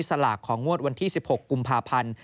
สลากของงวดวันที่๑๖กุมภาพันธ์